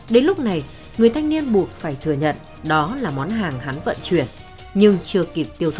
đến lúc này người thanh niên buộc phải thừa nhận đó là món hàng hắn vận chuyển nhưng chưa kịp tiêu thụ